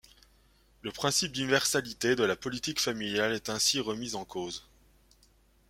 Le principe d’universalité de la politique familiale est ainsi remis en cause.